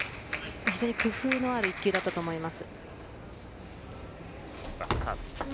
非常に工夫のある１球だったと思います。